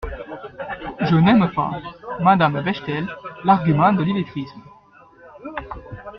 Je n’aime pas, madame Bechtel, l’argument de l’illettrisme.